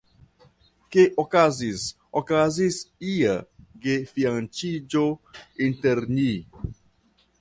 Ke okazis okazis ia gefianĉiĝo inter ni.